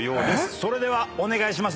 それではお願いします。